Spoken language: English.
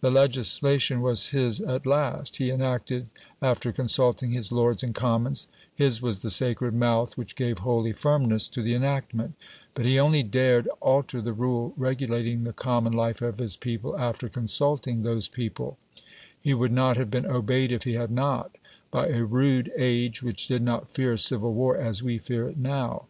The legislation was his at last; he enacted after consulting his Lords and Commons; his was the sacred mouth which gave holy firmness to the enactment; but he only dared alter the rule regulating the common life of his people after consulting those people; he would not have been obeyed if he had not, by a rude age which did not fear civil war as we fear it now.